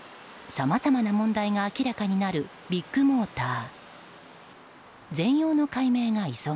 さまざまな問題が明らかになるビッグモーター。